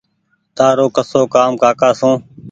تآرو ڪسو ڪآم ڪاڪا سو